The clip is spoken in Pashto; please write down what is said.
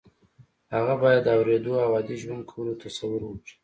هغه باید د اورېدو او عادي ژوند کولو تصور وکړي